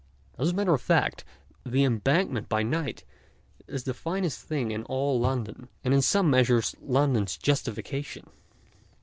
As a matter of fact, the Embankment by night is the finest thing in all London, and in some measure London's justification.